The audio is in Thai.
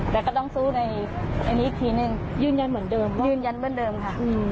แต่ก็ต้องสู้ในอันนี้อีกทีนึงยืนยันเหมือนเดิมยืนยันเหมือนเดิมค่ะ